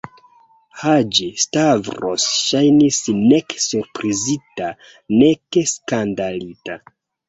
Haĝi-Stavros ŝajnis nek surprizita, nek skandalita.